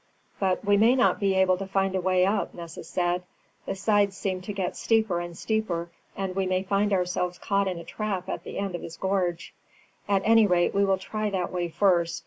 "But we may not be able to find a way up," Nessus said; "the sides seem to get steeper and steeper, and we may find ourselves caught in a trap at the end of this gorge. At any rate we will try that way first.